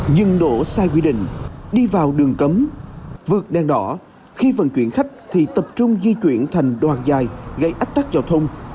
nhưng đổ sai quy định đi vào đường cấm vượt đèn đỏ khi vận chuyển khách thì tập trung di chuyển thành đoàn dài gây ách tắc giao thông